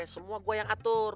semua gue yang atur